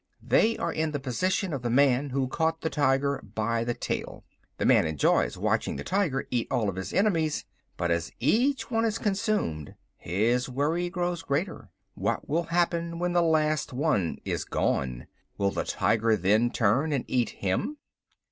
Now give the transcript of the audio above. They are in the position of the man who caught the tiger by the tail. The man enjoys watching the tiger eat all of his enemies, but as each one is consumed his worry grows greater. What will happen when the last one is gone? Will the tiger then turn and eat him?